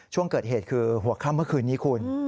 ช่วงเกิดเหตุคือหัวค่ำเมื่อคืนนี้คุณ